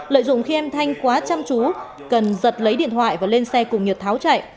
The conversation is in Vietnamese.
lợi dụng khi em thanh quá chăm chú cần giật lấy điện thoại và lên xe cùng nhật tháo chạy